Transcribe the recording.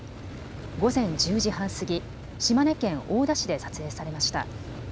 午前１０時半過ぎ、島根県大田市で撮影されました。